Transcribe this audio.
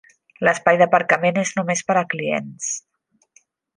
L'espai d'aparcament és només per a clients.